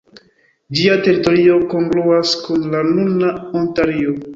Ĝia teritorio kongruas kun la nuna Ontario.